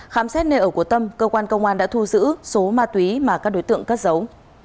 khám xét nền ẩu của tâm cơ quan công an đã thu giữ số ma túy mà các đối tượng cất dấu